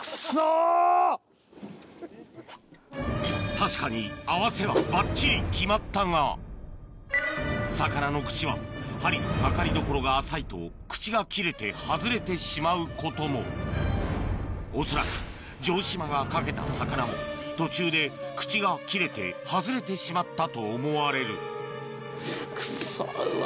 確かに合わせはばっちり決まったが魚の口は針のかかりどころが浅いと口が切れて外れてしまうことも恐らく城島がかけた魚も途中で口が切れて外れてしまったと思われるクソうわ